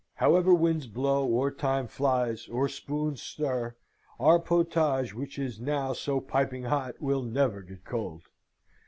However winds blow, or time flies, or spoons stir, our potage, which is now so piping hot, will never get cold.